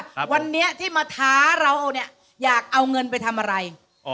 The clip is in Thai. ว่าวันนี้ที่มาท้าเราอยากเอาเงินไปทำอะไร